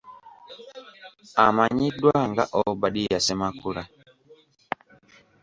Amanyiddwa nga Obadia Ssemakula.